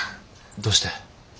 どうして？